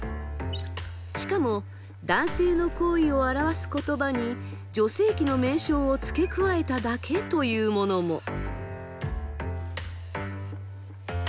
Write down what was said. しかも男性の行為を表す言葉に女性器の名称を付け加えただけというものも。